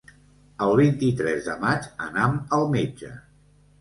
El vint-i-tres de maig anam al metge.